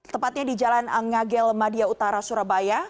tepatnya di jalan angagel madia utara surabaya